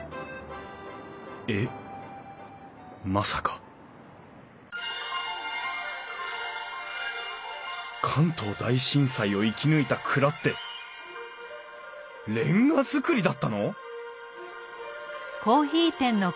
まさか関東大震災を生き抜いた蔵って煉瓦造りだったの！？